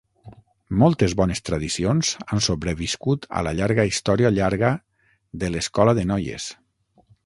Moltes bones tradicions han sobreviscut a la llarga història llarga de l'escola de noies,